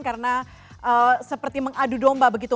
karena seperti mengadu domba begitu